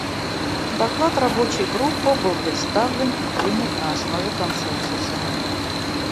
Доклад Рабочей группы был представлен и принят на основе консенсуса.